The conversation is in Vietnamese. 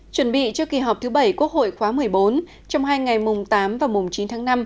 chuẩn bị cho kỳ họp thứ bảy quốc hội khóa một mươi bốn trong hai ngày mùng tám và mùng chín tháng năm